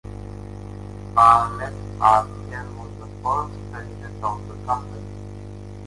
Bartlett Arkell was the first president of the company.